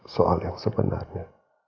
soal yang sebenarnya